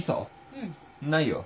うん。ないよ。